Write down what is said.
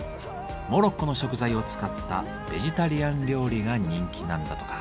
モロッコの食材を使ったベジタリアン料理が人気なんだとか。